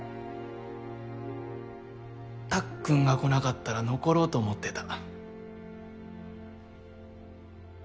たっくんが来なかったら残ろうと思ってた。